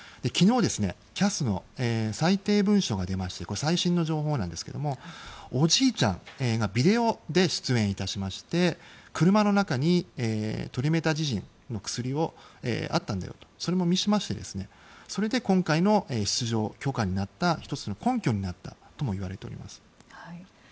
昨日ＣＡＳの裁定文書が出まして最新の情報なんですけどおじいちゃんがビデオで出演しまして車の中にトリメタジジンの薬があったんだとそれも見せましてそれが今回の出場許可の１つの根拠になったともいわれています。